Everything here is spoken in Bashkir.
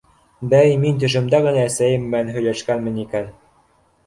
Бәй, мин төшөмдә генә әсәйем менән һөйләшкәнмен икән!